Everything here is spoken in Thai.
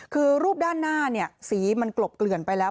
คือรูปด้านหน้าสีมันกลบเกลื่อนไปแล้ว